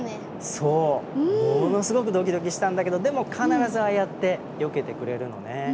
そうものすごくドキドキしたんだけどでも必ずああやってよけてくれるのね。